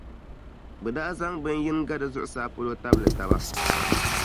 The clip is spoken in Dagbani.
bɛ daa zaŋ ban’ yini ga di zuɣusaa polo tabili taba.